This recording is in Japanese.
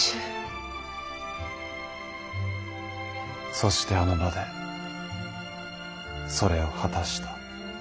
そしてあの場でそれを果たした。